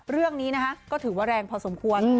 เรื่องนี้นะคะก็ถือว่าแรงพอสมควร